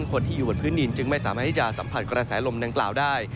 คนที่อยู่บนพื้นดินจึงไม่สามารถที่จะสัมผัสกระแสลมดังกล่าวได้